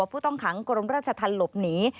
ผู้ต้องขังกรมราชธรรมหลบหนี